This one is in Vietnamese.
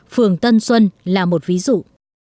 phường tân xuân là một ví dụ